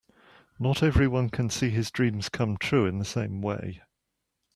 Not everyone can see his dreams come true in the same way.